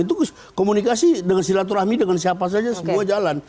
itu komunikasi dengan silaturahmi dengan siapa saja sebuah jalan